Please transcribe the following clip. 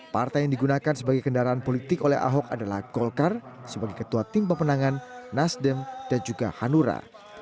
partai yang digunakan sebagai kendaraan politik oleh ahok adalah golkar sebagai ketua tim pemenangan nasdem dan juga hanura